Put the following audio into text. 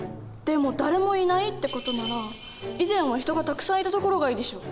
でも誰もいないって事なら以前は人がたくさんいた所がいいでしょ。